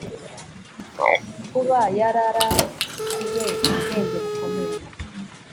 Kuba yararazwe ubwenge bukomeye